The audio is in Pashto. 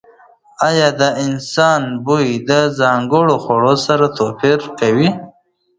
ایا د بدن بوی د ځانګړو خوړو سره توپیر کوي؟